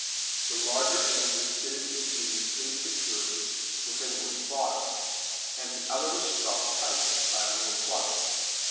The larger end was fitted ingeniously and securely with a wooden bottom, and the other was stopped tight by a little plug.